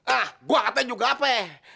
ah gua katain juga apa